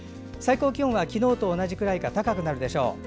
最高気温が昨日と同じくらいか高くなるでしょう。